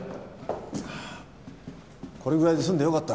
はぁこれぐらいで済んで良かった。